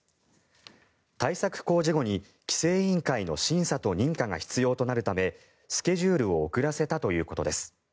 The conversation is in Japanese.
対策工事後に規制委員会の審査と認可が必要となるため、スケジュールを遅らせたということです。